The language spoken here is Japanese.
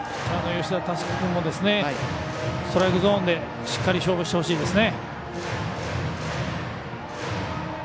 吉田佑久君もストライクゾーンでしっかり勝負してほしいですね。